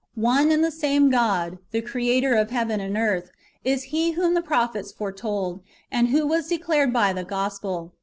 — One and the same God, the Creator of heaven and earth, is He luhom the prophets foretold, and ivho was declared hy the gospel.